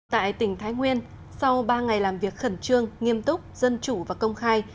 tại tỉnh thái nguyên sau ba ngày làm việc khẩn trương nghiêm túc dân chủ và công khai